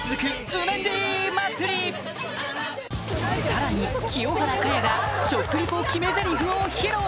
さらに清原果耶が食リポ決めゼリフを披露！